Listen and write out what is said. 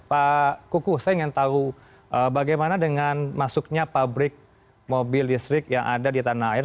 pak kuku saya ingin tahu bagaimana dengan masuknya pabrik mobil listrik yang ada di tanah air